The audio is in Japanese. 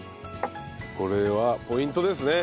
これはポイントですね。